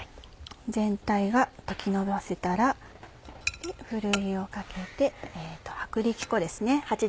全体が溶きのばせたらふるいをかけて薄力粉ですね。